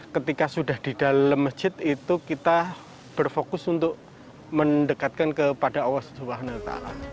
ketika sudah di dalam masjid itu kita berfokus untuk mendekatkan kepada allah swt